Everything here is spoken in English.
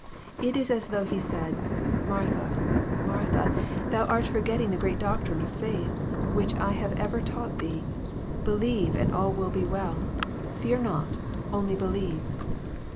It is as though He said, '^ Mar* tha, Martha, ihou art forgetting the great doctrine of faith, which I have ever taught thee. Believe, and all will be well. Fear not : only believe."